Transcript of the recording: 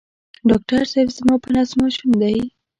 ډاکټر صېب زما په نس ماشوم دی